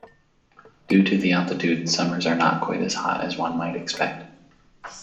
Due to the altitude, summers are not quite as hot as one might expect.